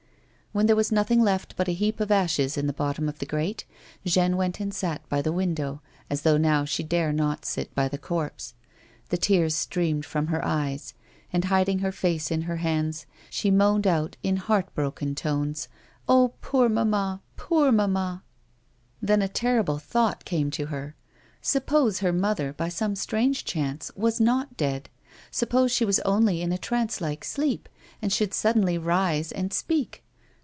When there was nothing left but a heap of ashes in the bottom of the grate, Jeanne went and sat by the window, as though now she dare not sit by the corpse. The tears streamed from her eyes, and, hiding her face in her hands^ she moaned out in heart broken tones :" Oh, poor mamma ! Poor mamma !" Then a terrible thought came to her :— Suppose her mother, by some strange chance, was not dead ; suppose she was only in a trance like sleep and should suddenly rise and speak